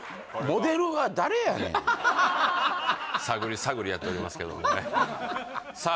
探り探りやっておりますけどもねさあ